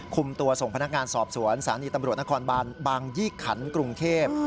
คุมตัวส่งพนักงานสอบสวนศาลีตำรวจนครบานบางยี่ขันกรุงเทพ